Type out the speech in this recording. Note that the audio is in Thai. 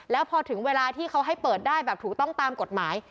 แล้วพอถึงเวลาที่เขาให้เปิดได้แบบถูกต้องตามกฎหมาย